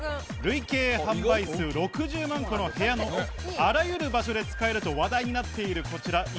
累計販売数６０万個の部屋のあらゆる場所で使えると話題になっている、こちら。